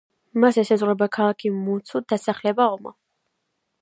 მას ესაზღვრება ქალაქი მუცუ, დასახლება ომა.